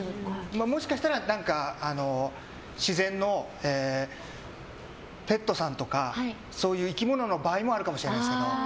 もしかしたら自然のペットさんとかそういう生き物の場合もあるかもしれないですけど。